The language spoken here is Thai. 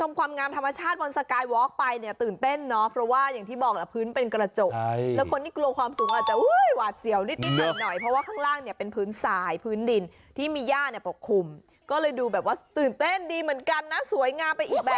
มึงน้ำใมายนเมรินเป็นใบมันถูกยนต์อยู่ดินที่อยู่ใบมันพื้นดินที่มีหญ้าประคุมแล้วเลยดูตื่นเต้นดีเหมือนกันนะ